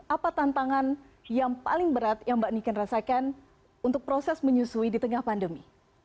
apa tantangan yang paling berat yang mbak niken rasakan untuk proses menyusui di tengah pandemi